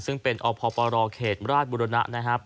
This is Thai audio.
ซึ่งเป็นอพปรเขตราชบุรณะนะครับ